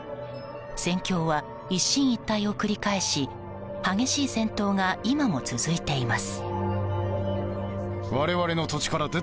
戦況は一進一退を繰り返し激しい戦闘が今も続いています。